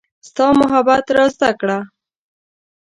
ستا محبت را زده کړه